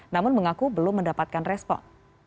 namun mengaku belum mendapatkan respon